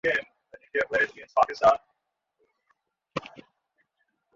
অনুর মনের দরজায় কড়া পাহারা ছিল না।